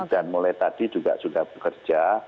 dan mulai tadi juga sudah bekerja